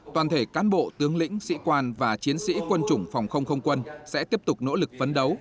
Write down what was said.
toàn thể cán bộ tướng lĩnh sĩ quan và chiến sĩ quân chủng phòng không không quân sẽ tiếp tục nỗ lực phấn đấu